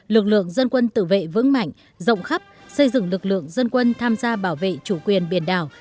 lực lượng dân quân tử vệ vững mạnh rộng khắp xây dựng lực lượng dân quân tham gia bảo vệ chủ quyền biển đảo